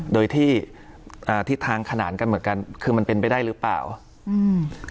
โดยที่อ่าทิศทางขนานกันเหมือนกันคือมันเป็นไปได้หรือเปล่าอืม